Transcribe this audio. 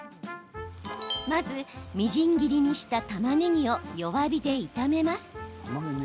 まず、みじん切りにしたたまねぎを弱火で炒めます。